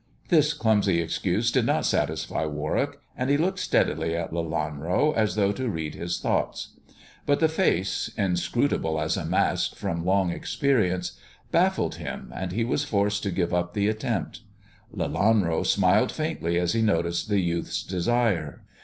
This clumsy excuse did not satisfy Warwick, and he looked steadily at Lelanro as though to read his thoughts. But the face, inscrutable as a mask from long experience, baffled him, and he was forced to give '^P the attempt. Lelanro smiled faintly as he noticed the youth's desire.